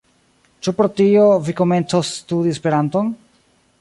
Ĉu pro tio, vi komencos studi Esperanton?